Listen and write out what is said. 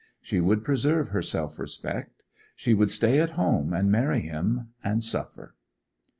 She would preserve her self respect. She would stay at home, and marry him, and suffer.